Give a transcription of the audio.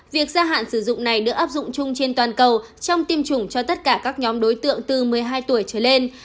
việc gia hạn sử dụng này được áp dụng chung trên toàn cầu trong tiêm chủng cho tất cả các nhóm đối tượng từ một mươi hai tuổi trở lên